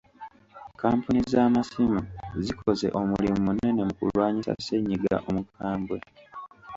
Kkampuni z'amasimu zikoze omulimu munene mu kulwanyisa ssennyiga omukambwe.